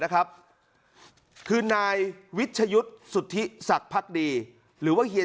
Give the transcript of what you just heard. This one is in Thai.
นะครับคือนายวิชยุทธ์สุธิศักดิ์พักดีหรือว่าเฮีย